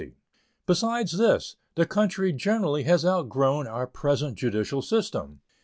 Besides this, the country generally has outgrown our present judicial system.